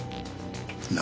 何！？